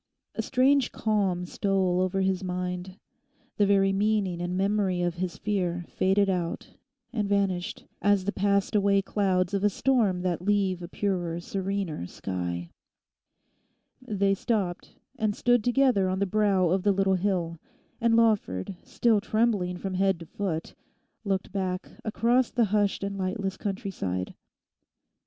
A strange calm stole over his mind. The very meaning and memory of his fear faded out and vanished, as the passed away clouds of a storm that leave a purer, serener sky. They stopped and stood together on the brow of the little hill, and Lawford, still trembling from head to foot, looked back across the hushed and lightless countryside.